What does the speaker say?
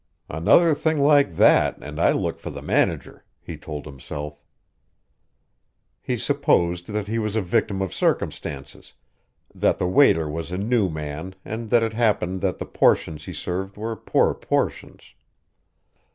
"Another thing like that, and I look for the manager," he told himself. He supposed that he was a victim of circumstances that the waiter was a new man and that it happened that the portions he served were poor portions.